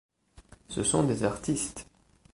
Ce sont des artistes.